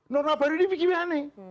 norma baru ini bagaimana